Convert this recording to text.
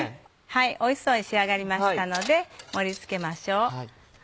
おいしそうに仕上がりましたので盛り付けましょう。